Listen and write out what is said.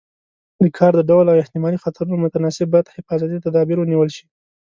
د کار د ډول او احتمالي خطرونو متناسب باید حفاظتي تدابیر ونیول شي.